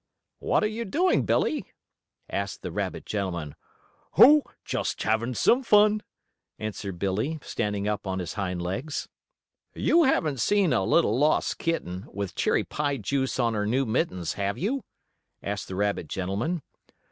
"What are you doing, Billie?" asked the rabbit gentleman. "Oh, just having some fun," answered Billie, standing up on his hind legs. "You haven't seen a little lost kitten, with cherry pie juice on her new mittens, have you?" asked the rabbit gentleman.